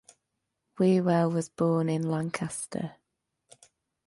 Whewell was born in Lancaster.